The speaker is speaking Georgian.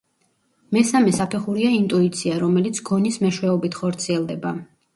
მესამე საფეხურია ინტუიცია, რომელიც გონის მეშვეობით ხორციელდება.